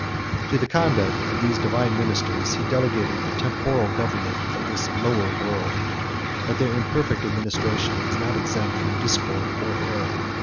To the conduct of these divine ministers he delegated the temporal government of this lower world; but their imperfect administration is not exempt from discord or error.